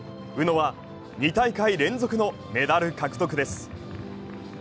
宇野は２大会連続のメダル獲得です。